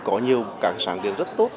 có nhiều cảng sáng tiến rất tốt